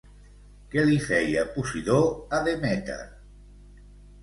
Què li feia Posidó a Demèter?